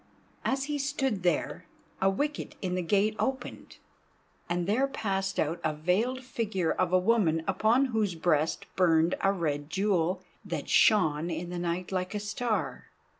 As he stood there a wicket in the gate opened, and there passed out a veiled figure of a woman upon whose breast burned a red jewel that shone in the night like a star.